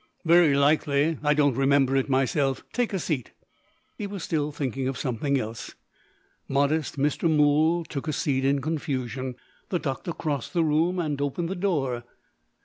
"Very likely. I don't remember it myself. Take a seat." He was still thinking of something else. Modest Mr. Mool took a seat in confusion. The doctor crossed the room, and opened the door.